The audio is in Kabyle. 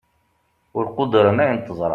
ur quddren ayen teẓṛa